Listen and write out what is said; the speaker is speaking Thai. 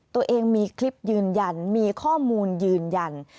ตัวเองมีคลิปยืนยันมีข้อมูลยืนยัน